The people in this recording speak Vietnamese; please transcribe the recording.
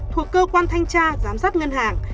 thuộc cơ quan thanh tra giám sát ngân hàng